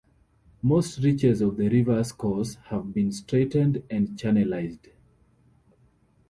Most reaches of the river's course have been straightened and channelized.